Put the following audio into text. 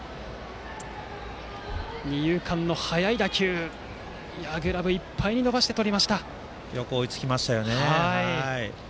二遊間の速い打球でしたがグラブいっぱいに伸ばしてよく追いつきましたね。